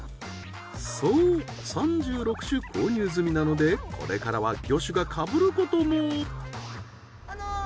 そう３６種購入済みなのでこれからは魚種がかぶることも。